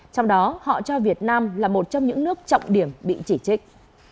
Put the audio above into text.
trong đó họ cho việt nam là một trong những nước trọng điểm bị chỉ trích